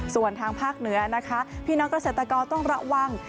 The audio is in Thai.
ส่วนทางภาคเหนือนะคะพี่น้องเกษตรกรต้องระวัง